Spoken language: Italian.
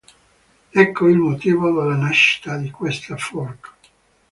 Ecco il motivo della nascita di questa "fork".